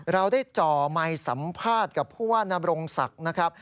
เราได้จ่อไมค์สัมภาษณ์กับผู้ว่านบรงศักดิ์นะครับ